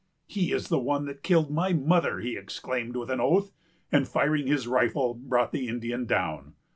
"He is the one that killed my mother," he exclaimed with an oath; and, firing his rifle, brought the Indian down.